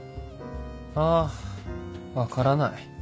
あ分からない